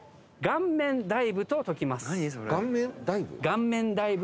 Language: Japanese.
「顔面ダイブ」？